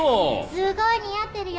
すごい似合ってるよ。